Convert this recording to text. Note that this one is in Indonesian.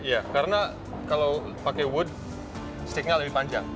iya karena kalau pakai wood stick nya lebih panjang